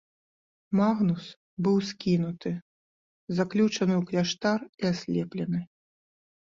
Магнус быў скінуты, заключаны ў кляштар і аслеплены.